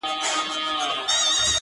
خو دننه درد ژوندی وي تل